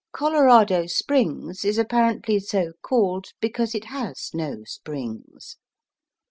Colorado Springs is apparently so called because it has no springs.